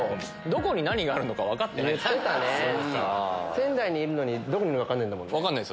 仙台にいるのにどこにいるのか分かんないんだもんね。